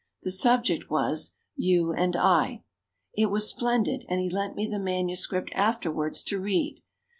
The subject was, "You and I." It was splendid and he lent me the manuscript afterwards to read.